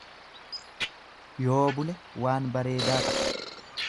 Yoo bule waan bareedaa ta'a.